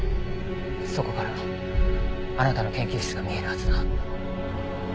そこからあなたの研究室が見えるはずだ。